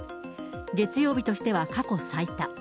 月曜日としては過去最多。